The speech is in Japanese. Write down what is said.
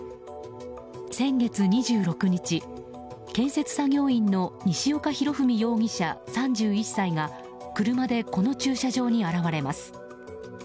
先月２６日、建設作業員の西岡宏文容疑者、３１歳が車でこの駐車場に現れます。